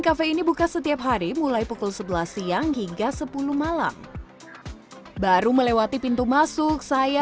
kafe ini buka setiap hari mulai pukul sebelas siang hingga sepuluh malam baru melewati pintu masuk saya